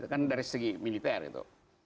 kan dari segi militer itu